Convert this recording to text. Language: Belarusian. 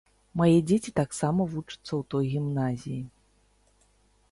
Мае дзеці таксама вучацца ў той гімназіі.